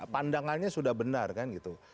pandangannya sudah benar kan gitu